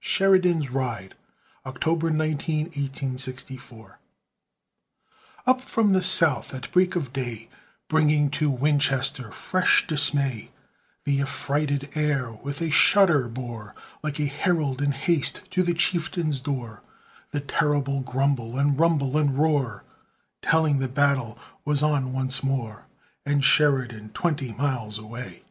SHERIDAN'S RIDE [October 19, 1864] Up from the South, at break of day, Bringing to Winchester fresh dismay, The affrighted air with a shudder bore, Like a herald in haste to the chieftain's door, The terrible grumble, and rumble, and roar, Telling the battle was on once more, And Sheridan twenty miles away.